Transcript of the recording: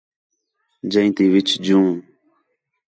جئیں تے وِچ جوں